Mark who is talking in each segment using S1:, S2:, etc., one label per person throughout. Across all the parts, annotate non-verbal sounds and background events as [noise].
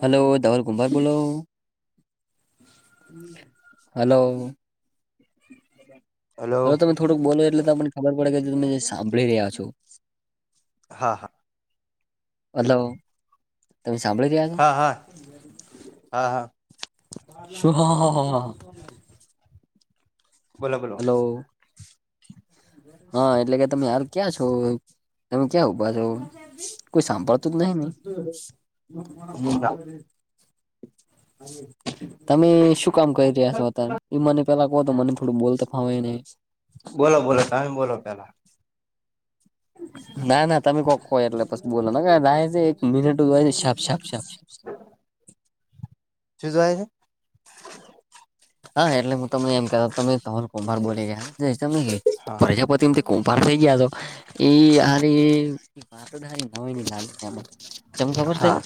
S1: Hello Dhaval કુમારભાઈ બોલો. Hello હ
S2: હલો
S1: તમે થોડુંક બોલો એટલે તમને ખબર પડે કે જે તમે સાભળી રહ્યા છો.
S2: હા હા.
S1: હલો તમે સાંભળી રહ્યા છો
S2: હા, હા હા હા.
S1: શું હ હા હા હ.
S2: બોલો બોલો
S1: હલો. હા એટલે કે તમે હાલ ક્યાં છો, તમે ક્યાં ઊભા છો? કોઈ સાંભળતું જ નહ નહિ તમે શું કામ કરી રહ્યા છો? અતાર એ મને પેલા કો તો મને થોડું બોલતા ફાવય ને
S2: બોલો બોલો તમે બોલો પેલા.
S1: ના ના તમે કોક એટલે પછ બોલો છે એક મિનટ છે છ છાપ છાપ
S2: હ [unintelligible] -શ જાય છે.
S1: હા એટલે હું તમને એમ કતા તમેલ કુભાર બોલી ગયા ત
S2: હા
S1: પ્રજાપતિ કુંભાર થઈ ગયા તો એ હરે વાતારી ન હોય ની લાગે જેમ ખબર છે.
S2: હા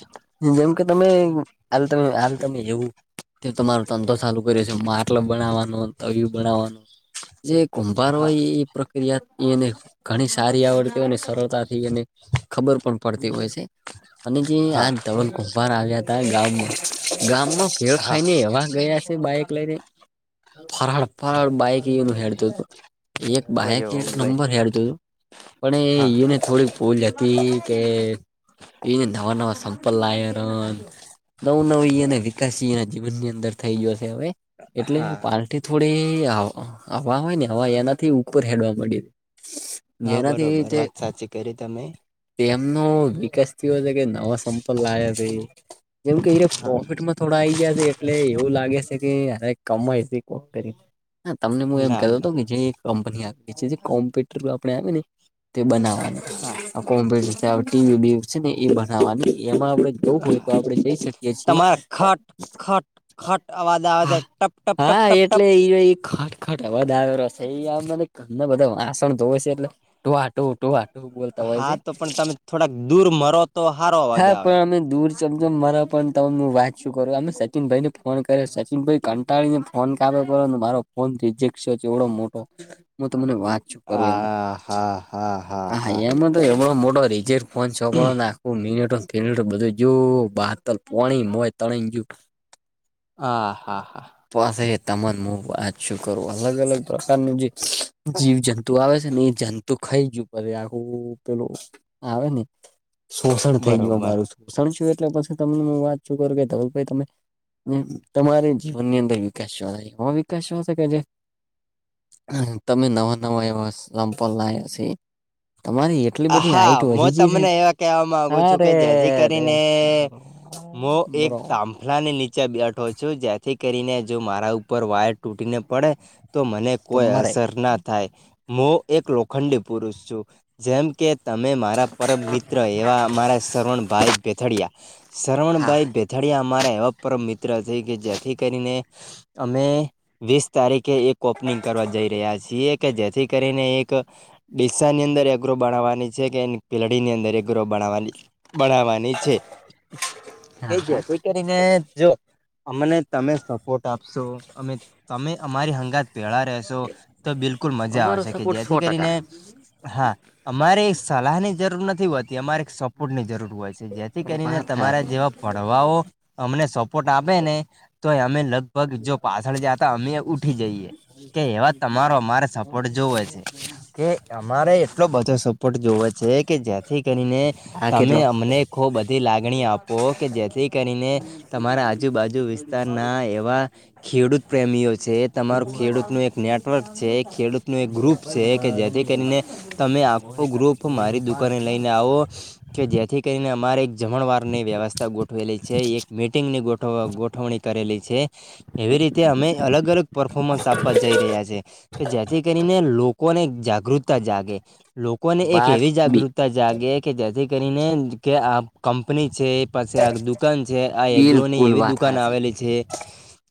S1: જેમ કે તમે ત હાલ તમે એવું કે તમારો તંધો સાલું છે માર્લ બનાવવાનું તવિું બનાવવાનું જે કુંભાર
S2: હા
S1: હોય એ પ્રક્રિયાને ઘણી સારી આવડતી હો અને સરળતાથી એને ખબર પણ પડતી હોય છે. અને જે આ
S2: હા
S1: ધવલ કુભાર આવ્યા હતા. ગામમાં ગામ માં ભેળ
S2: હા
S1: ખાઈ ને એવા ગયા. છે બાઈક લઈને ફરાળ ફરાળ બાઈક એ હેલતું હતું. એક બાહેક એક
S2: બરોબર
S1: નંબર હયાળતો હતું
S2: હા
S1: પણ એ ને થોડીક પૂલ હતી કે પને નવા નવા સંપલ લાવ ર નવું નવી અને વિકાસ એના જીવન ની અંદર થઈ ગયો છે. હવે એટલે
S2: હા
S1: પાર્ટી થોડી હવા હોય ને હવા એનાથી ઉપર હેડવા મળીયુ.
S2: હા બરોબર વાત સાચી કરી તમે.
S1: તેમનો વિકાસ થયો છે કે નવા સંપર્ લાયા છે જેમ કે એ
S2: હા
S1: પ્રોફિટમાં. થોડા આઈ ગયા છે એટલે એવું લાગે છે કે કમાય છે. કોક કરી હ તમને હું એમ
S2: ના
S1: કતો હતો
S2: ના
S1: કે જે એક કંપની આવી છે. જે કોમ્પ્યુટર આપે આવે ને તે બનાવવાનું
S2: હા [unintelligible]
S1: કોમ્પ્યુટર ટીવી બીવી છે. ને એ બનાવવાની એમાં આપડ જોવું હોય તો આપડે જઈ શકીએ છીએ
S2: તમારા ખટ ખટ [inaudible] અવાજ આવે
S1: હા
S2: છે ટપ ટપ ટપ
S1: હા
S2: ટપ ટપ
S1: એટલે ખ ખટાવા આવેયો રશે એ આમ મને ઘરના બધા વાસણ ધોવે છે એટલે ધૂઆં ટુ ધૂઆં એવું બોલતા હોય
S2: હા
S1: છે.
S2: તો પણ તમે થોડાક દૂર મરો તો હારો-
S1: હા પણ અમે દૂર- તમે જેમ મારા પણ તમે હું વાત શું કરો અમે સચિનભાઈ ને ફોન કર્યો સચિન ભાઈ ત્યારે ફોન કર્યો મારો ફોન ત્રીજેક છે એટલો મોટો હું તમને વાત શું કરું એમાં
S2: આ હા હા હા હા
S1: એમનો મોટો રિજેક્ટ ફોન છોકરો ના કેમેરો જો બાાતર પોણી હોય તણાય જો
S2: હા હા હા
S1: પાસે તમાને વાત શુ કરું અલગ અલગ પ્રકારનું જે જીવ જંતુ આવે છે. ને એ જુ તું ખાઈજું પણ આખું પેલું આવે ને શોષણ થઈ ગયું
S2: બરોબર
S1: મારું શોષણ છું એટલે પછી તમને હું વાતચું કરું કે ધવલભાઈ તમે? તમારે જીવન ની અંદર વિકાસ જોવા એ વિકાસ જો શકે છે. તમે નવા નવા એવા ચંપલ છે. તમારી એટલી બધી
S2: હા
S1: હાઈટ
S2: હ
S1: વધી ગઈ છે
S2: તમને એવા. કેવા માંગુ
S1: અરે
S2: છું કે જેથી
S1: રે
S2: કરીને મોહ એક
S1: બરો
S2: તાંબુ વાયરની નીચે બેઠો છો જ્યાંથી કરીને જો મારા ઉપર વાયર તૂટીને પડે તો મને કોઈ
S1: તમારે
S2: અસર ના થાય હું એક લોખંડી પુરુષ છું જેમ કે તમે મારા પરમ મિત્ર એવા અમારા શ્રવણ ભાઈ પીઠડીયા
S1: હા
S2: શવણભાઈ પીઠડીયા અમારા એવા પરમ મિત્ર છે કે જેથી કરીને અમે વીસ તારીખે એક ઓપનિંગ કરવા જઈ રહ્યા છીએ, કે જેથી કરીને એક ડીસા ની અંદર એ ગ્રોપ બણવાની છે કે પિલડી ની અંદર એ ગ્રોપ બવા બનાવાની ની છે જ
S1: હા
S2: કરીને જો અમને તમે સપોર્ટ આપશો અમે તમે અમારી હંગાત પેળા રહેશો તો બિલકુલ મજા
S1: અમારો
S2: આવશે કે
S1: સપોર્ટ
S2: જેથી
S1: સો
S2: કરીને
S1: ટકા
S2: હા. અમારે સલાહ ની જરૂર નથી હોતી અમારે સપોર્ટ ની જરૂર હોય છે. જેથી કરીને
S1: વાત
S2: તમારા
S1: હારી
S2: જેવા પડવાઓ અમને સપોર્ટ આપે ને તો અમે લગ પગ જો પાછળ જતા અમે ઉઠી જઈએ, કે એવા તમારો અમારે સ સપોર્ટ જોવે છે કે અમારે એટલો બધો સપોર્ટ જોવે છે કે જ જેથી કરીને
S1: આ
S2: તમે
S1: કેટલો
S2: અમને ખૂબ બધી લાગણી આપો કે જેથી કરીને તમારા આજુબાજુ વિસ્તાર ના એવા ખેડૂત પ્રેમીઓ છે તમાર ખેડૂત નું એક નેટવર્ક છે ખેડૂત નું એક ગ્રુપ છે કે જેથી કરીને તમે આખો ગ્રુપ મારી દુકાને લઈને આવો કે જેથી કરીને અમારે એક જમણવારની વ્યવસ્થા ગોઠવેલી છે એક મીટિંગ ની ગોઠ ગોઠવણી. કરેલી છે એવી રીતે અમે અલગ અલગ પરર્ફોર્મન્સ આપવા જઈ રહ્યા છે. કે જેથી કરીને લોકોને જાગૃતતા જાગે લોકોને એક
S1: વાત
S2: એવી
S1: બી
S2: જાગૃતતા જાગે કે જેથી કરીને કે આ કંપની છે. પાસે આ દુકાન છે આ એગ્રો ની
S1: બિલકુલ
S2: એવી
S1: વાત
S2: દુકાન
S1: હાચી
S2: આવેલી છે.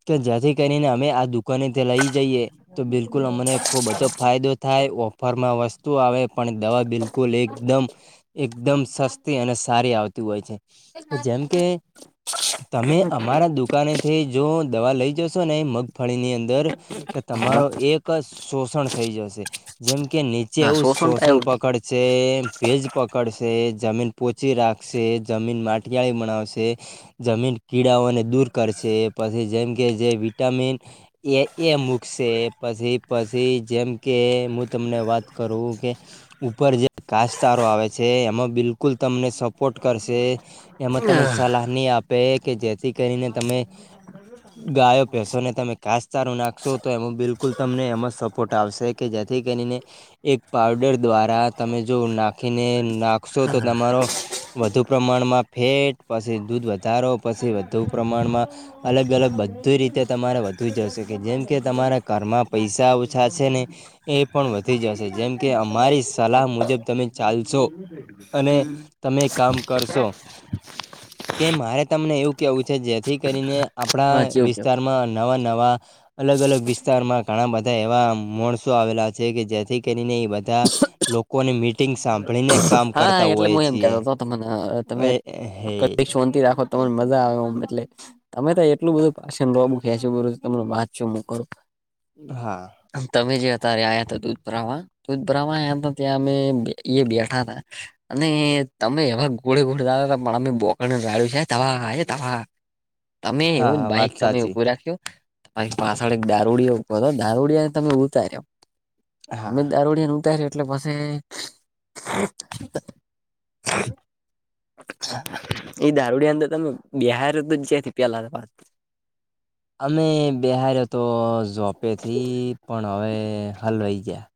S2: તો જેથી કરીને અમે આ દુઃખ દુકાને તે લઈ જઈએ તો બિલકુલ અમને ખૂબ બધો ફાયદો થાય ઓફરમાં વસ્તુ આવે પણ દવા બિલકુલ એકદમ એકદમ સસ્તી અને સારી આવતી હોય છે. જેમ કે તમે અમારા દુઃખ દુકાની થી જો દવા લઈ જશો ને મગફળીની અંદર કે તમારો એક શોષણ થઈ જશે જેમ કે નીચે
S1: ના
S2: એવું
S1: તો
S2: શોષણ
S1: આવ્યું
S2: પકડ છે ભેજ પકડશે જમીન પોચી રાખશે જમીન માટીિયાળી બનાવશે. જમીન કીડાઓને દૂર કરશે એ પછી જેમ કે જે વિટામિન એ એ મૂકશે પછી પછી જેમ કે હું તમને વાત કરું કે ઉપર જે કાસચારો આવે છે એમાં બિલકુલ તમને સપોર્ટ કરશે એમાં
S1: નહી
S2: તમને સલાહની આપે કે જેથી કરીને તમે ગાયો પસોને તમે કાસચારો નાખશો તો એમ બિલકુલ તમને એમમાં સપોર્ટ આવશે. કે જેથી કરીને એક પાવડર દ્વારા તમે જો નાખીને નાખશો તો તમારો. વધુ પ્રમાણમાં ફેટ પછી દૂધ વધ વધારો પછી વધુ પ્રમાણમાં અલગ અલગ બધી રીતે તમારે વધુ જઈશે કે જેમ કે તમારા ઘરમાં પૈસા ઓછા છે ને, એ પણ વધી જશે જેમ કે અમારી સલાહ મુજબ તમે ચાલશો અને તમે કામ કરશો કે મારે તમને એવું કેવું છે જેથી કરીને આપણા
S1: હા કેવું કેવું
S2: વિસ્તારમાં નવા નવા અલગ અલગ વિસ્તારમાં ઘણા બધા એવા માણસો આવેલા છે કે જેથી. કરીને એ બધા લોકોને મી
S1: હા એટલે હું એમ
S2: છીએ
S1: કતો હતો તને તમે
S2: એ હે
S1: ક શોથી રાખો તમાને મજા આવેમ એટલે તમે તો એટલું બધું ભાછણ લોબુ કે છો બધુ તમેં વાચો છો હું કરું
S2: હા.
S1: તમે જે અત્યારે આવ્યા હતા દૂધ ભરાવા દૂધ ભરાવા આવયા હતા ત્યાં અમે ઇએ બેઠા થા અને તમે એવા ગોડે ગોડ પણ અમે બોક રાડ્યું છે ધ્વાહા ધ્વાહા તમે
S2: હા
S1: એવું જ
S2: હા વાત
S1: બાઈક તમે
S2: સાચી
S1: ઉભુ રાખ્યું. બાઈક પાછળ એક દારૂડિયો ઊભો હતો દારૂડિયા ને તમે ઉતાર્યો
S2: હા
S1: અમે દારોડીને ઉતારયો એટલે પસે [inaudible] એ દારૂડિયા અંદર તમે બેહારયો તો જ જ્યાંથી પેલા હતા વાત
S2: અમે બિહાર્યો તો ઝોપેથી પણ હવે હલવાઈ ગયા.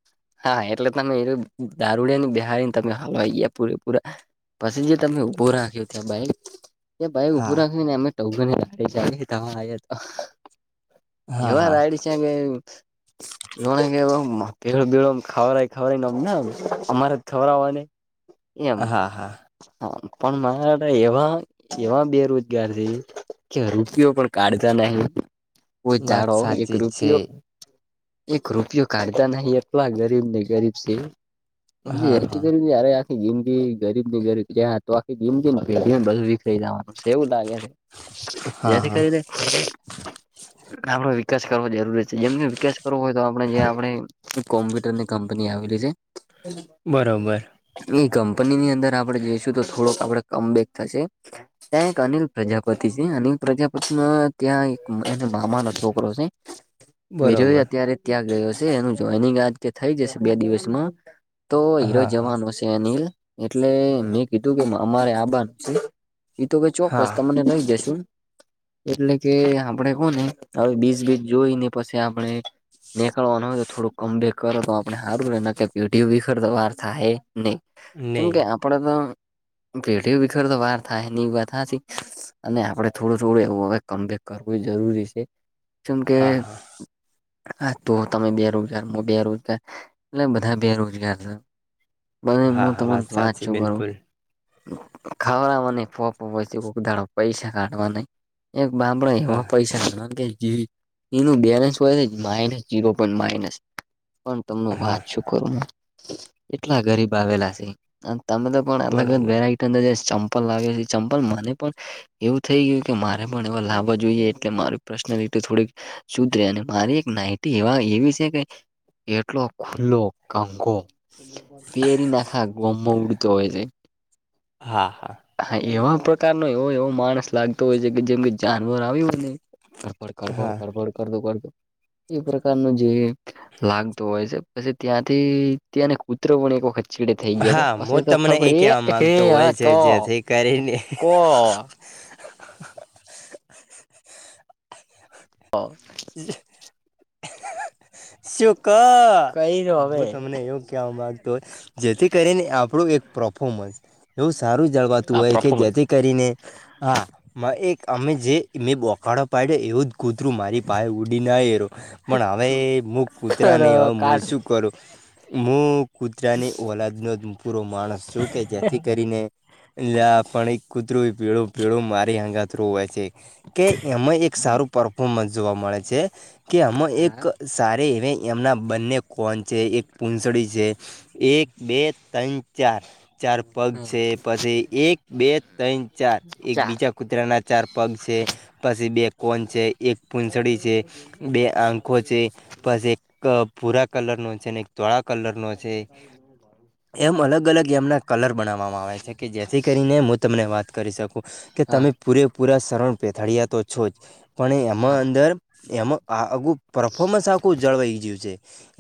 S1: હા એટલે તમે એ દારૂડિયા ને બેહારીને તમે હલવાઈ ગયા પૂરે પૂરા પસે જે તમે ઉભો રાખ્યો ત્યાં બાઈક એ બાઇક ઊભું
S2: હા
S1: રાખ્યું ને અમે ટગને ધવલ આયો તો
S2: હા
S1: એવા
S2: હા
S1: રાયડી છે કે [unintelligible] એલો બેડો ખાવય ખાવયનેમ અમારે જ ખવરવાની એમ
S2: હા હા
S1: હા પણ મારા એવા એવા બેરોજગાર છે. કે રૂપિયો પણ કાઢતા નહી કો
S2: વાત
S1: જાડો એક
S2: સાચી છે
S1: રૂપિયો એક રૂપિયો કાઢતા નહી એટલા ગરીબ ને ગરીબ છે.
S2: હા
S1: હેરતી
S2: હા
S1: કરી યારે યાર જિંદગી ગરીબ ની ગરીબ જ્યાં તો આખી જીંદગી ને પેઢીઓને બધું વીખરી જવાનું એવું લાગે.
S2: હા
S1: જેથી
S2: હા
S1: કરી આપડો વિકાસ કરવો દેતો જેમનો વિકાસ કરવો હોય તો આપણે જે આપણે કોમ્પ્યુટર ની કંપની આવેલી છે
S2: બરોબર
S1: હ હ [unintelligible] નઈ કંપનીની અંદર આપડે જઈશું તો થોડોક આપડે કમબેક થશે. ત્યાં એક અનિલ પ્રજાપતિ છે અનિલ પ્રજાપતિમાં ત્યાં મામા નો છોકરો છે વિજય
S2: બરોબર
S1: અત્યારે ત્યાગ ગયો છે એનું એની ગાજ કે થઈ જશે બે દિવસમાં તો
S2: હા
S1: હીરો
S2: હા
S1: જવાનો હશે. અનિલ એટલે મેં કીધું કે અમારે આબાનું છે એ તો ભાઈ ચોક્કસ
S2: હા
S1: તમને લઈ જસું એટલે કે આપડે કોને હવે બીચ બીચ જોઈને પછી આપણે નેકળવાના હોય તો થોડું કમ બેક કરો તો આપણે હારુ રે નકર બ્યૂટી વિખેરતા વાર થાહે નહી ચમ
S2: નહી
S1: કે પણ ન અ પેઢીઓ વિખર તો વાર થાય નહીં ઈ વાત હાચી અને આપડે થોડું થોડું એવું કમબેક કરવું જરૂરી છે. ચમ કે
S2: હા હા
S1: તો તમે બે રો બેરોજગાર એટલે બધા બેરોજગાર છે. બધુ
S2: હા
S1: હું
S2: હા વાત
S1: તમને વાચ
S2: સાચી
S1: છું કરું.
S2: બિલકુલ
S1: ખાવડવા ની ફાંફા હોય છે પછી કોક દાળો પૈસા કાઢવા ની એક બામડો એવો
S2: હા
S1: પૈસા કાઢવાનું કે જેવી એનું બેલેન્સ હોય જ માઇનસ જીરો પોઈન્ટ માઇનસ. પણ તમનું વાત
S2: હા
S1: શું કરનું. એટલા ગરીબ આવેલા છે તમે તો પણ અલગ અલગ
S2: બરોબર
S1: વેરાય અંદર જે ચંપલ લાગે છે એ ચંપલ મને પણ એવું થઈ ગયું કે મારે પણ એવા લાવવા જોઈએ એટલે મારી પર્સનાલિટી થોડીક સુધરે અને મારી એક નાઇટી એવા એવી છે કે એટલો ખુલ્લો બંકો પેરી નાખા ગોમમાં ઉડતો હોય છે.
S2: હા હા.
S1: હા એવા પ્રકાર નુ એવો એવો માણસ લાગતો હોય છે કે જેમ કે જાનવર આવીયો હોય ને કરફડ કરફડ
S2: હા
S1: કરફડ કરું કરું એ પ્રકારનું જે લાગતો હોય છે પછી ત્યાંથી ત્યાંને કૂતરો પણ એક વખત ચીડે થઈ ગયા તો
S2: હા હું
S1: પછી તો
S2: તમને
S1: ફફડી હે આ ક
S2: કરી ને
S1: પો ઓ
S2: શ્યુક ક
S1: કઈ રો હવે
S2: હું તમને એવું કેવા માંગતો જેથી કરીને આપડુ એક પરફોમન્સ એવું સારું જાળવાતું
S1: આ
S2: હોય કે
S1: પરફોર્મન્સ
S2: જેથી કરીને હા એક અમે જે મેં બોખળો પાડ્યો એવું જ કૂતરું પાયે ઊડી ના એરો પણ હવે મૂક કૂતરા નહીં હવે હું
S1: કાઢું
S2: શું કરું મુ કૂતરાની ઓલાદ નો પૂરો માણસ છું કે જેથી કરીને એટલે પણ એક કુતરરુ પેળો પેળો મારી હંગાત રોવે છે. કે એમાં એક સારું પરફોર્મન્સ જોવા મળે છે કે એમાં એક
S1: હા
S2: સારે એને એમનાં બંને કોન છે એક પૂંસડી છે. એક બે ત્રન ચાર ચાર પગ
S1: હા
S2: છે પછી એક બે ત્રણ ચાર એક
S1: ચાર
S2: બીજા કૂતરા ના ચાર પગ છે પછી બે કોન છે એક પૂંસડી છે બે આંખો છે પસ એક પૂરા કલર નો છે ને તળા કલર નો છે. એમ અલગ અલગ એમના કલર બનાવામાં આવે છે કે જેથી કરીને હું તમને વાત કરી શકું કે
S1: હા
S2: તમે પૂરેપૂરા શરણ પેથાડયા તો છો જ પણ એ એમ
S1: હા
S2: ડર એમાં આગુ પરફોર્મન્સ આખું જળવાઈ ગયું છે.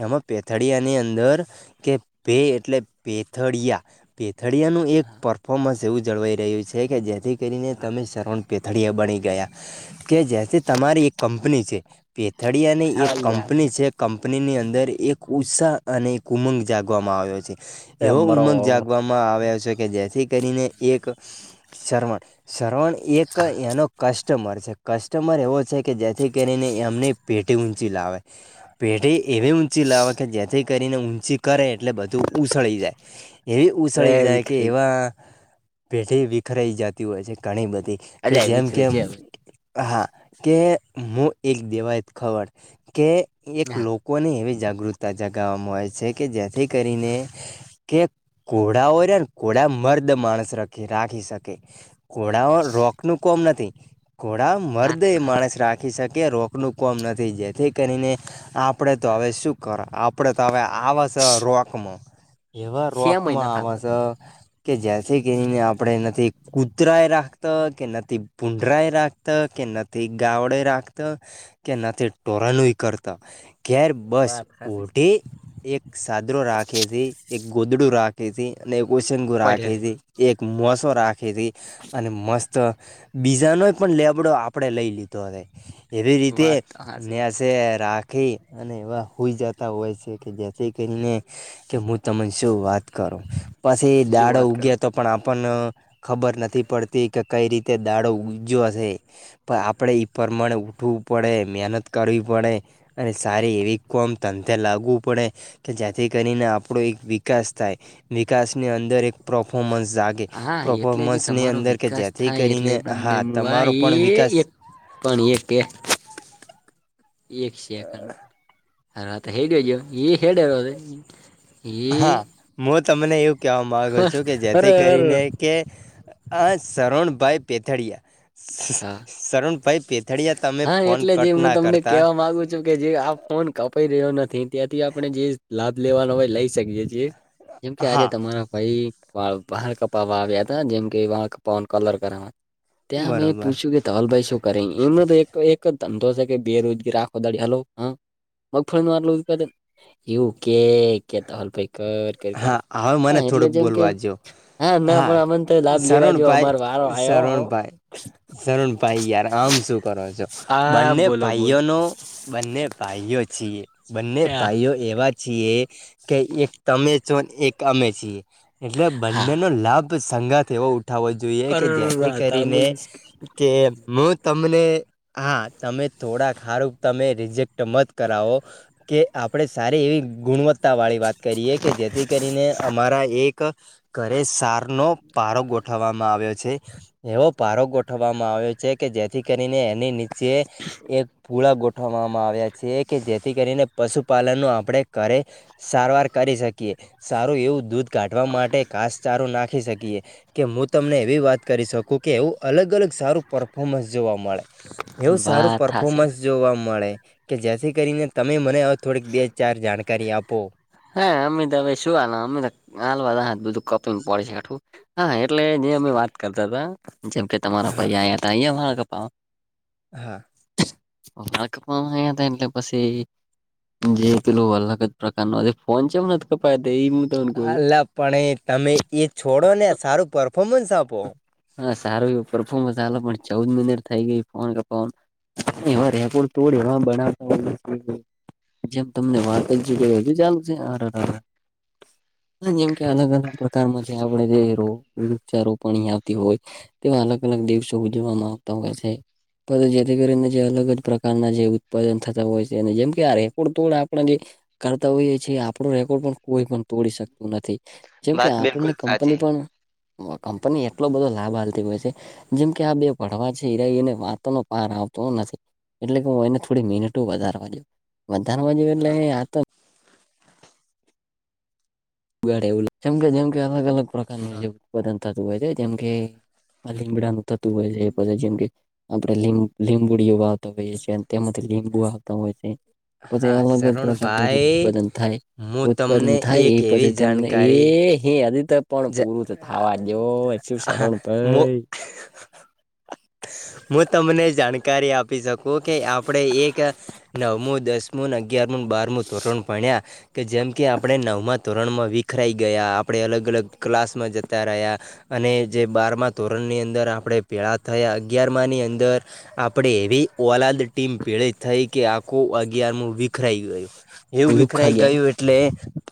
S2: એમાં પેથળિયાની અંદર કે બેે એટલે પે થડિયા પેથળિયાનું એક પરફોર્મન્સ એવું જળવાઈ રહ્યું છે કે જેથી કરીને
S1: હા
S2: તમે શવણ પેથળિયા બની ગયા કે જેથી તમારી એક કંપની છે. પેથળિયાની એક
S1: હાલ્યા
S2: કંપની છે કંપનીની અંદર એક ઉત્સાહ અને એક ઉમંગ જાગવામાં આવ્યો છે
S1: અરે
S2: એવો
S1: મરો
S2: ઉમંગ જાગવા મા આવ્યો છે કે જેથી કરીને એક શરવણ શરવણ એક એનો કસ્ટમર છે કસ્ટમર એવો કે જેથી કરીને એમને પેટી ઊંચી લાવે પેઢી એવી ઊંચી લાવે કે જેથી કરીને ઊંચી કરે એટલે બધું ઉસળી જાય એવી ઉસળી
S1: અરે
S2: જાય કે
S1: વિખરી
S2: એવા પેઢી વિખરાઈ જતી હોય છે ઘણી બધી કે
S1: અલ્યા
S2: જેમ
S1: વિખરી છે
S2: કેમ
S1: હવે
S2: હા કે મુ એક દેવાયત ખબર કે એક
S1: હા
S2: લો કોને એવી જાગૃતતા જગાવવામાં હો આવે છે કે જેથી કરીને કે કોડા હોય ને કોંડા મર્દ માણસ રખે રાખી શકે ઘોડા રોક નું કોમ નથી ઘોડા
S1: વાત
S2: મરદે
S1: તો
S2: એ માણસ
S1: હાચી
S2: રાખી શકે રોકનું કોમ નથી જેથી કરીને આપડે તો હવે શું કરો આપડે તો હવે આવ શ રોકમાં એવા
S1: સેમય
S2: રોકમાં
S1: નથ
S2: આવ
S1: આવતા
S2: શ કે જ્યાંથી કરીને આપડે નથી કૂતરાય રાખતા કે નથી ભૂડરાય રાખતા કે ન તે ગાવડે રાખતા કે ના તે ટોરનય કરતા ઘેર બસ
S1: વાત હાચી
S2: ઓઢે એક સાદરો રાખે છે એક ગોદડું રા ખેશે અને કોશંગુ રાખે
S1: પડ્યા રે
S2: છે એક મોસો રાખી હતી અને મસ્ત બીજાનોય પણ લેબડો આ પડે લઈ લીધો હવે એવી રીતે
S1: વાત તો હાચી
S2: ને શે રાખી અને એવા હોઈ જતા હોય છે કે જેથી કરીને કે મુ તમે શું વાત કરો પછી
S1: શું
S2: દાડો
S1: વાત કરો
S2: ઉગ્યો તો પણ આપને ખબર નથી પડતી કે કઈ રીતે દાડો ઉગજ્યો હશે પણ આપણે એ પ્રમાણે ઉઠવું પડે મહેનત કરવી પડે અને સારી એવી કોમ તંતે લાગવું પડે કે જેથી કરીને આપણો એક વિકાસ થાય વિકાસની અંદર એક પરફોર્મન્સ જાગે
S1: હા એટલે જે
S2: પરફોર્મન્સની
S1: તમારો
S2: અંદર કે
S1: વિકાસ
S2: જેથી
S1: થાય એટલે
S2: કરીને
S1: તમને
S2: હા
S1: હું આ
S2: તમારો પણ વિકાસ
S1: એ એક પાણી એક એક સેકન્ડ રા તો હઈ ગયોજ એ હેેરોદ
S2: હા હું તમને એવું કહેવા માગુ છું કે જેથી
S1: અરે અરે
S2: કરીને કે આ શરણભાઈ પેથળિયા
S1: હા
S2: શરણભાઈ પે અથડિયા તમે
S1: હા
S2: ફોન
S1: એટલે જે
S2: કટ
S1: હું
S2: ના
S1: તમને
S2: કરતા
S1: કેવા માંગુ કે જે આ ફોન કપાઈ રહ્યો નથી ત્યાંથી આપણે જે લાભ લેવાનો હોય લઈ શકીએીએ. જેમ કે આજે
S2: હા
S1: તમારા ભાઈ વા વાહાર કપાવા આવ્યા હતા જેમ કે વા કપાવાનો કલર કર ત્યાં મેં એ
S2: બરોબર
S1: પૂછ્યું કે તોલભાઈ શું કરે એમ તો એક તો એક જ ધંધો છે, કે બેરોજગી આખો દાડી હલો હ મગફળીટ યુ કે કેતાલ પેક કરે
S2: હા હવે મને
S1: એટલે
S2: થોડુંક
S1: જેમ કે
S2: બોલવા જો
S1: હા ના પણ અમને તો લાભ લેવા જે અમારો વારો આવ્યો હો.
S2: શારણભાઈ શારણ ભાઈ યાર આમ શું કરો છો,
S1: હા
S2: બંને
S1: બોલો બોલો
S2: ભાઈઓનો બંને પાઈઓ છીએ બંને
S1: ક્યા
S2: પાઈઓ એવા છીએ કે એક તમે છો ને એક અમે છીએ એટલે
S1: હા
S2: બંને નો લાભ સંગા એવો ઉઠ. ઉઠાવો જોઈએ કે જેથી કરીને કે હું તમને હા તમે થોડા ખારું તમે રિજેક્ટ મત કરાવો કે આપણે સારી એવી ગુણવત્તા. તા વાળી વાત કરીએ કે જેથી કરીને અમારા એક ઘરે સાર નો પારો ગોઠવવામાં આવ્યો છે. એવો પારો ગોઠવવામાં આવ્યો છે કે જેથી કરીને એની નીચે એક પૂળ ગોઠવવામાં આવ્યા છે, કે જેથી કરીને પશુપાલન ન આપણે કર સારવાર કરી શકીએ સારું એવું દૂધ કાઢવા માટે કાસચારું નાખી શકીએ કે હું તમને એવી વાત કરી શકું કે એવું અલગ અલગ સારું પરફોમન્સ જોવા મળે એવું સારું
S1: વાત થશે
S2: પરર્ફોર્મન્સ જોવા મળે કે જેથી કરીને તમે મને થોડીક બે ચાર જાણકારી આપો
S1: હા અમમે તો શું હાલ અમ તો હાલ બધું કપી પડે છે, આું હા એટલે જે અમે વાત કરતા હતા જેમ કે તમારા
S2: હા
S1: પયા હતા અયાપા
S2: હા
S1: વાકવામાં હતા એટલે પછી. જે કે લોકો અલગ જ પ્રકારનો ફોન છે કપ
S2: હલા પણ તમે એ છોડો ને સારું પરફોર્મન્સ આપો.
S1: હા સારું એવ પરફોર્મન્સ ચ પણ ચૌદ મિનિટ થઈ ગય ફન કપન વા રેપડ તોડ બનાવતા જેમ તમને વાત હજુ ચાલશે હ જેમ કે અલગ અલગ પ્રકારમાં જે આપડે જે રો વચારોપણી આવતી હોય. તેવા અલગ અલગ દિવસો ઉજવવામાં આવતા હોય છે. જેથી કરીને જે અલગ જ પ્રકારના જે ઉત્પાદન થતા હોય છે જેમ કે આ રેકોડ તોડ આપણે જે કરતા હોઈએ છ છેએ આપણો રેકોર્ડ પણ કોઈ પણ તોડી શકતું નથી. જેમ કે
S2: વાત
S1: આપણને
S2: બિલકુલ સાચી
S1: કંપની પણ કંપની એટલો બધો લાભ હાલતી હોય છે. જેમ કે આ બે ભડવા છે એરાને વાતો ન પાર આવતો નથી. એટલે કે હું એને થોડી મિનિટો વધારવા જોઉ વધારવા જો એટલે
S2: હા
S1: ા એવું જેમ કે જેમ કે અલગ અલગ પ્રકારનું
S2: હા
S1: જે ઉત્પાદન થતું હોય છે, જેમ કે લીબડાનું થતું હોય છે એ પછ જેમ કે આપડણે લ લીંબુડી આવતા હોઈએ છીએ. તેમાંથી લીંબુ આવતા હોય છે. પસી
S2: હા
S1: અલગ જ પ્રકારનું જે
S2: શરણભાઈ
S1: ઉત્પાદન થાય
S2: હું
S1: ઉત્પાદન
S2: તમને
S1: થાય એ
S2: એક એવી
S1: પસી તેમને એ
S2: જાણકારી
S1: હે અજી તો પણ
S2: જ
S1: પૂરું તો થાવા દયો, એફ્યુ
S2: હા
S1: શરણભઈ.
S2: મુ તમને જાણ કારી આપી શકુ કે, આપડે એક નવમું, દસમું ન અગ અગયારમુંન, બારમું ધોરણ ભણ્યા કે જેમ કે આપડે નવમાં ધોરણમાં વિખરાઈ ગયા આપડે અલગ-અલગ ક્લાસમાં જતા રહ્યા અને જે બારમા ધોરણની અંદર આપડે ભેળા થયા, અગિયારમાંની અંદર આપડે એવી ઓલાદ ટીમ ભેળી થઈ કે આખુ અગિયારમુ વિખરાઈ ગયું. એવું
S1: લુખા
S2: વિખરાઈ
S1: ગેંગ
S2: ગયું એટલે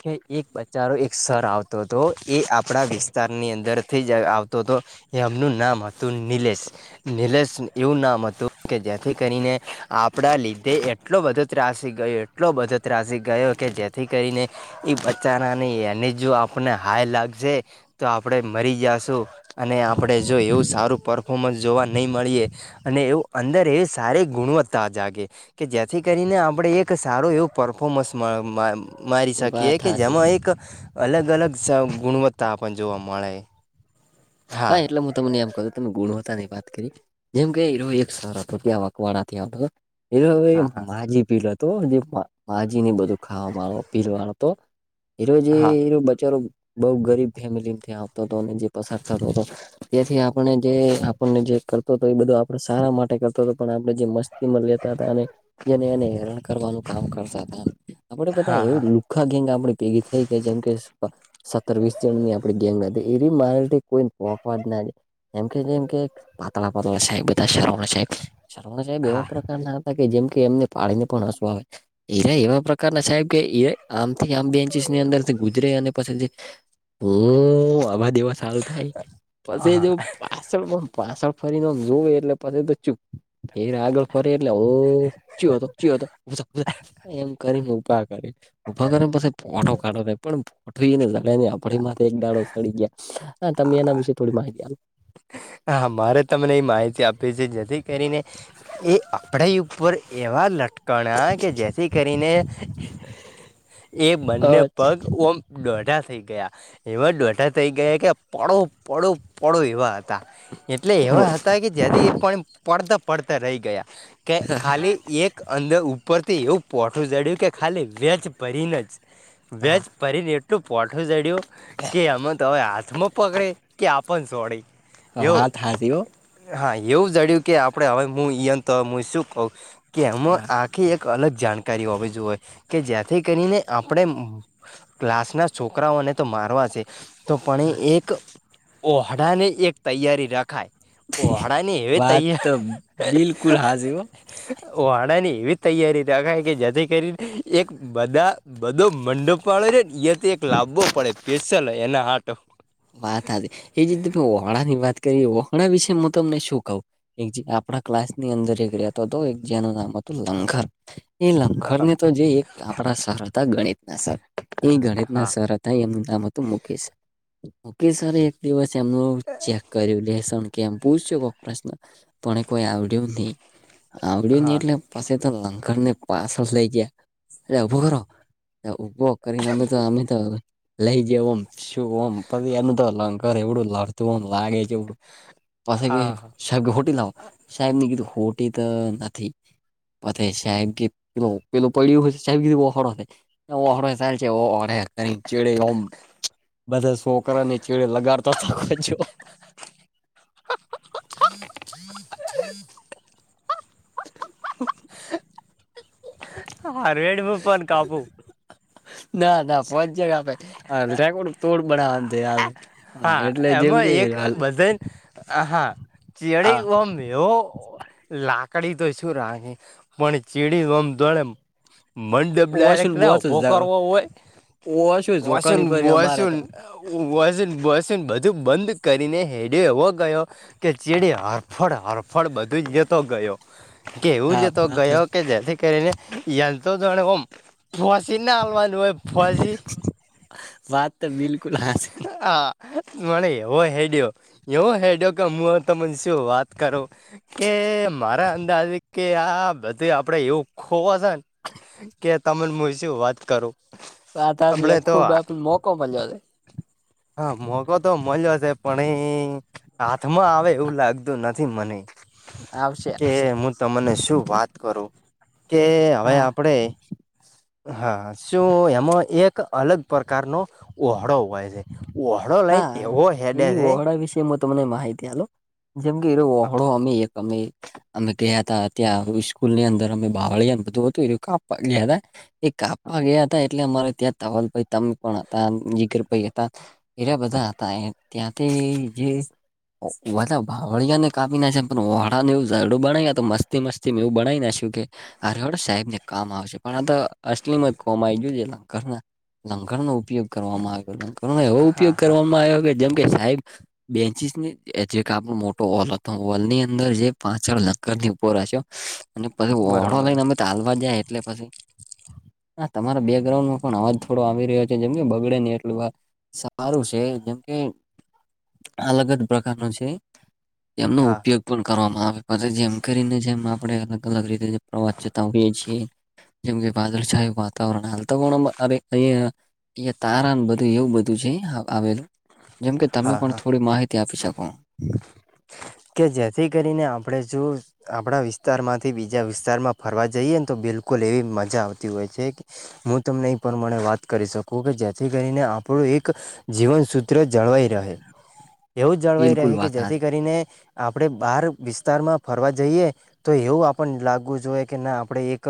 S2: કે, એક બચારો એક સર આવતો તો એ આપડા વિસ્તારની અંદરથી જ આવતો તો એમનું નામ હતું, નિલેશ. નિલેશ એવું નામ હતું કે, જેથી કરીને આપડા લીધે એટલો બધો ત્રાસી ગયો, એટલો બધો ત્રાસી ગયો કે જેથી કરીને એ બચારાની એની જો આપને હાય લાગશે તો આપડે મરી જાશું અને આપડે જો એવું સારું પરફોર્મન્સ જોવા નઈ મળીએ અને એવું અંદર એવી સારી ગુણવત્તા જાગી કે જેથી કરીને આપડે એક સારું એવું પરફોર્મન્સ મ મ મારી શકીએ
S1: વાત
S2: કે
S1: હાચી
S2: જેમાં એક અલગ-અલગ સ ગુણવત્તા પણ જોવા મળે.
S1: હા, એટલે મુ તમને કઉ તમે ગુણવત્તાની વાત કરી એમ કે એરો એક સર હતો ત્યા વકવાડાથી આવતો. એરો હવે
S2: હા હા
S1: માજી ભીલ હતો, જે મા-માજીને બધું ખાવાવાળો, પીરવાળો તો એરો જે
S2: હા
S1: એરો બચારો બઉ ગરીબ ફેમિલીમથી આવતો તો ને જે પસાર થતો તો તેથી આપણે જે આપણને જે કરતો તો એ બધું આપડ સારા માટે કરતો તો, પણ આપણે જે મસ્ત કિમત લેતા હતા, અને જેને એને હેરાન કરવાનું કામ કરતા તા. આપડે બધા
S2: હા
S1: એવુ ખા ગેંગ આપડી ભેગી થઈ ગઈ જેમ કે, સત્તર-વીસ જનની આપડી ગેંગ હતી. એરયુ મા કોઈન નોખવા જ ના ડે, એમ કે કેમ કે પાતળા-પાતળા સાહેબ અતા. શા મા સાહેબ, શર્મા સાહેબ
S2: હા
S1: એવા પ્રકારના હતા કે જેમ કે એમને ભાળીને પણ હસવુ આવે. એરયા એવા પ્રકારના સાહેબ કે એ આમથી આમ બેન્ચિસની અંદરથી ગુજરે અને પસી ઓ, આમા દેવા સારું થાય.
S2: હા
S1: પસી જો
S2: હા
S1: પાસળ મમ પાસળ ફરીને જોવે એટલે પછી તો ચુપ, ફેર આગળ ફરી એટલે હો ચીયો તો ચીયો તો ઉભો થા ઉભો થા એમ કરીને ઉભા કરે. ઉભા કરે ને પસ પોટો કાઢ ને પણ [unintelligible] આપડી માથે એક દાડો સડી ગયા. હા, તમે એના વિશે થોડી માહિતી આલો.
S2: હા, મારે તમને એ માહિતી આપવી છે, જેથી કરીને એ આપડી ઉપર એવા લટકાણા કે જેથી કરીને એ
S1: આપો
S2: બંને
S1: અચ્છા
S2: પગ ઓમ દોઢા થઈ ગયા એવા દોઢા થઈ ગયા કે પડો પડો પડો એવા તા એટલે એવા હતા કે જેથી એ પણ પડતા પડતા રઈ ગયા કે ખાલી એક અલગ ઉપરથી એવું પોઠું જડ્યું કે ખાલી વેજ ભરીને જ વેજ ભરીને એટલું પોઠું ચડ્યું કે એમાં તો હવે હાથમાં પકડે કે આપણ છોડે
S1: હ,
S2: એવું
S1: વાત હાચી હો.
S2: હા, એવું જડ્યું કે આપડે હવે મુ ઇયોન તો મુ શું કઉ કે એમાં
S1: હા
S2: આ કે એક અલગ જાણકારી હોવી જોએ, કે જેથી કરીને આપણે ક્લાસના છોકરાઓને તો મારવા છે. તો પણ એ એક ઓહડાની એક તૈયારી રખાય. ઓહડાની એવી
S1: વાત
S2: તૈયાર
S1: તો બિલકુલ હાઝી હો.
S2: ઓહડાની એવી તૈયારી રખાય કે જેથી કરીને એક બધા બધો મંડો પાડો છે. ને તો એક લાવવો પડે પેશલ એના આટો
S1: વાત એ જીતે તમે વહણાા ની વાત કરી વહણા વિશે હું તમને શું કહઉું. એક જ આપણા ક્લાસ ની અંદર એક રહેતો હતો એક જનું નામ હતું લંગર એ લમખર ને તો જે એક આપણા સર હતા ગણિત ના સર એ ગણિત ના
S2: હા
S1: સર હતા એમનું નામ હતું મુકેશ મુકેશ્વરે એક દિવસ એમનું ચેક કર્યું લસ કેમ પૂછ છે કોક પ્રશ્ન પણ કોઈ આવડ્યું નહીિ આવડ્યું
S2: હા
S1: નહી એટલે પાછ તો લંકર ને પાછળ લઈ ગયા અરે ઉભો કરો ઉભો કરીને અમે તો અમે તો લઈ જ શુંમ એનું તો અલંકર એવડું લડતું હો લાગે છે. એવડું પછ કે
S2: હા
S1: સાહેબ હોટી લાવો સાહેબ ની કીધું હોટી તો નથી. પ સાહેબ કે પે પેલું પડ્યું સાહેબ કી બહ ઓડ ચ છેે ચડેમ બધા છોકરા અને ચેડે લગાડતો શખ જો. ઓ [unintelligible]
S2: હ રેડમાં પણ કાપુ
S1: ના ના ફ જગ આપે રેકોર્ડ તોડ બનાવાનું આવે-
S2: હા એમાં એક બધા આ હા ચડી
S1: આ
S2: ઓ મેવ લાકડી તો છું રાે પણ ચીડીમ દોડે મંડપ
S1: ઓશું
S2: ડાયરેક્ટ
S1: બહુ
S2: ના ઉભો
S1: જ
S2: કરવો
S1: ઓશું જોકાણી
S2: હોયસનસન
S1: પર અમારે તો
S2: વ વસન બધું બંધ કરીને હેડે એવો ગયો કે ચીડીે હરફળ હરફળ બધું જ જતો ગયો કેવું
S1: હા
S2: લતો ગયો કે જે કેને એયા બસના આળવાય ફવાજી
S1: વાત તો બિલકુલ હાચી
S2: હ મરે એવો હેડયો એવો હેડયો કે હું તને શું વાત કરો કે મારા અંદાજે કે આ બધું આપડે એવું ખોવાશેને કે તમિલ મુવી શ વાત કરું
S1: હ ત
S2: હમણે તો
S1: આખુંબ મોકો મળ્યો છે.
S2: હા મોકો તો મળ્યો છે પણ એ હાથમાં આવે એવું લાગતું નથી મને
S1: આવશે
S2: કે
S1: આવશે
S2: હું તમને શું વાત કરું કે હવે
S1: હા
S2: આપણેે હા શું એમાં એક અલગ પ્રકારનો ઓહોળો હોય છે ઓહો ઘડો લઈ
S1: હા
S2: એવો
S1: એ
S2: હેડે છે.
S1: વહોડા વિશે [unintelligible] તમને માહિતી હાલ જેમ કે એ વહોળો અમે એક અમે અમે ગયા તા ત્યાં સ્કૂલ ની અંદર અમે બાવળીને બધું હતું કા ગયા તા એ કાપવા ગયા હતા એટલે અમારે ત્યાં તવલભાઈ ત પણ હતા જીગર ભાઈ હતા એ બધા હતા ત્યાં તે જે ધા વાાવળિયા ને કાપી ના છે પણ ઓળા એવું ઝડું બના ગયા તો મસ્તી મસ્તી એવું બનાવી નાખ્યું કે અરે ઓ સાહેબ ને કામ આવશે પણ આ તો અસલીમત કોવામાં આવી ગય છે લર લંગર નો ઉપયોગ કરવામાં આવ્યો કો એવો
S2: હા
S1: ઉપયોગ
S2: હા
S1: કરવામાં આવ્યો કે જેમ કે સાહેબ બેન્ચીસ ની જે એક આપણો મોટો વલ હતો વોલ ની અંદર જે પાંચ લકર ની ઉપર્યો અને પછી વળો
S2: બરોબર
S1: લઈને અમે ચાલવા જાય એટલે પછી. હા તમારા બેકગ્રાઉન્ડ માં પણ અવાજ થોડો આવી રહ્યો છે જેમ કે બગડે ને એટલું સારું છે, જેમ કે અલગ જ પ્રકાર ન છે, એમનો
S2: હા
S1: ઉપયોગ કરવામાં આવે જેમ કરીને જેમ આપણે અલગ અલગ રીતે પ્રવાસ જતા હોઈએ છીએ જેમ કે વાદળછાયું વાતાવરણ હાલતા અ અયા તારા બધું એવું બધું આવેલું જેમકે તમે
S2: હા
S1: પણ
S2: હા
S1: થોડી માહિતી આપી શકો
S2: કે જેથી કરીને આપણેે જો? આપણા વિસ્તારમાંથી બીજા વિસ્તારમાં ફરવા જઈએ ને તો બિલકુલ એવી મજા આવતી હોય છે. કે હું તમને એ પ્રમાણે વાત કરી શકું કે જેથી કરીને આપણું એક જીવન સૂત્ર જળવાઈ રહે, એવું જળવાઈ
S1: બિલકુલ
S2: રહે કે
S1: વાત
S2: જેથી
S1: હારી
S2: કરીને આપડે બાર વિસ્તારમાં ફરવા જઈએ. તો એવું આપને લાગવું જોઈએ કે ના આપણે એક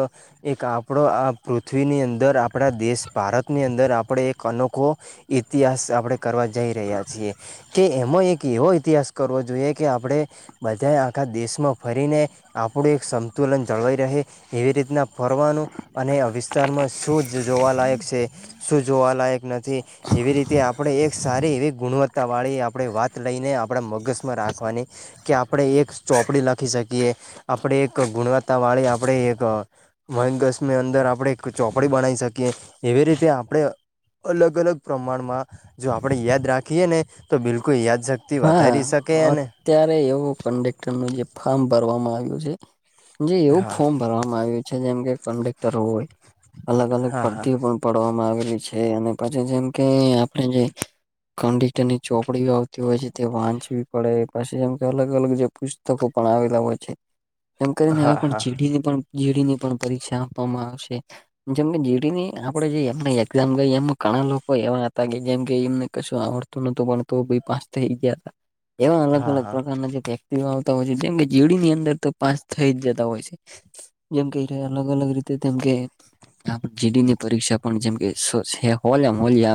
S2: એક આપણો આ પૃથ્વીની અંદર આપણા દેશ ભારતની અંદર આપણે એક અનોખો. ઇતિહાસ આપડે કરવા જઈ રહ્યા છીએ, કે એમાં એક એવો ઇતિહાસ કરવો જોઈએ. કે આપણે, બધાએ આખા દેશમાં ફરીને આપણું એક સંતુલન જળવાઈ રહે, એવી રીતના ફરવાનું. અને વિસ્તારમાં શું જ જોવાલાયક છે, શું જોવાલાયક નથી. એવી રીતે આપણે એક સારી એવી ગુણવત્તા વાળી આપણે વાત લઈને આપડા મગજમાં રાખ લખવાની, કે આપણે એક ચોપડી લખી શકીએ. આપણે એક ગુણવત્તા વાળી આપણે એક મગસની અંદર આપણે એક ચોપડી બનાવી શકીએ, એવી રીતે આપણે અલગ અલગ પ્રમાણમાં, જો આપણે યાદ રાખીએ ને તો બિલકુલ યાદ જ થી વધારી શકે અને
S1: અ્યારે એવું કન્ડેક્ટર નું જે ફારમ ભરવામાં આવ્યું છે, જે એવું
S2: હા
S1: ફોર્મ ભરવામાં આવ્યું છે જેમ કે કંડેક્ટર હોય, અલગ અલગ
S2: હા હા
S1: પરતી પણ પડવામાં આવેલી છે અને પછી જેમ કે આપે જે, કંડરની ચોપડીઓ તે હોય છે તે વાંચવી પડે પાછ જેમ કે અલગ અલગ જે પુસ્તકો પણ આવેલા હોય છે. એ
S2: હા
S1: કરીને
S2: હા
S1: હવે પણ જીડીની પણ જી ડી ની પણ પરીક્ષા આપવામાં આવશે. જેમને જી ડી ની આપડે જે એમ એક્ઝામ ગઈ એમ ઘણા લોકો એવા હતા કે જેમ કે એમને કશું આવડત પણ પાંચ થઈ ગયા, એવા અલગ
S2: હા
S1: અલગ
S2: હા
S1: પ્રકારના જે તે આવતા હોય છે જેમ કે જે ડી ની અંદર તો પાંચ થઈ જ જતા હોય છે. જેમ કહી ર અલગ અલગ રીતે તેમ કે આપ જીડી ની પરીક્ષા પણ જેમકે હોલમ હોલ